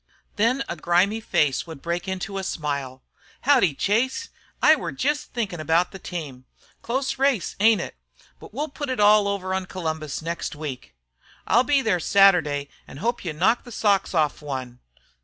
Then a grimy face would break into a smile. "Howdy, Chase. I were jest thinkin' about the team. Close race, ain't it? But we'll put it all over Columbus next week. I'll be there Saturday an' hope you knock the socks off one.